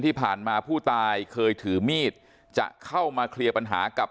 ที่ผ่านมาผู้ตายเคยถือมีดจะเข้ามาเคลียร์ปัญหากับ